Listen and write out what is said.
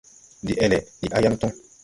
Deʼele, ndi a yaŋ toŋ.